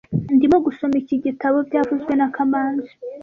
Ndimo gusoma iki gitabo byavuzwe na kamanzi